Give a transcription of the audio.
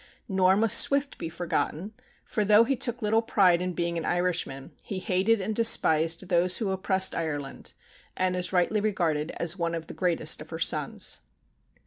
Nor must Swift be forgotten, for though he took little pride in being an Irishman, he hated and despised those who oppressed Ireland, and is rightly regarded as one of the greatest of her sons.